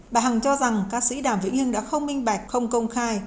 bà hằng cho rằng ca sĩ đàm vĩnh hưng đã không minh bạch không công khai